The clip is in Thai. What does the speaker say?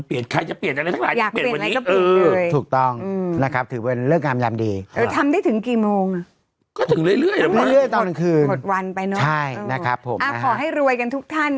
เปลี่ยนใครจะเปลี่ยนอะไรทั้งหลายอยากเปลี่ยนอะไรก็เปลี่ยนเลย